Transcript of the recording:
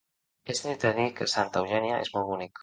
He sentit a dir que Santa Eugènia és molt bonic.